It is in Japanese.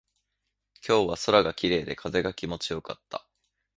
今日は空が綺麗で、風が気持ちよかった。